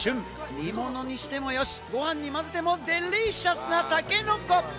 煮物にしてもよし、ごはんに混ぜてもデリシャスなタケノコ！